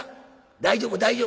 大丈夫大丈夫。